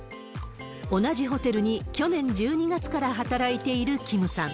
同じホテルに、去年１２月から働いているキムさん。